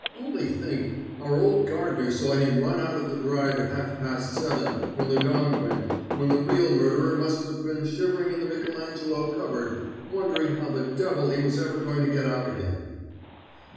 "Only think: our old gardener saw him run out of the drive at half past seven, when the gong went, when the real murderer must have been shivering in the Michelangelo cupboard, wondering how the devil he was ever going to get out again."